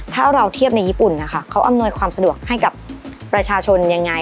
ถ้าเราเทียบในญี่ปุ่นนะคะเขาอำนวยความสะดวกให้กับประชาชนยังไง